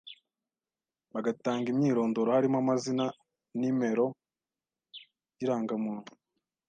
bagatanga imyirondoro harimo amazina, nimero y’irangamuntu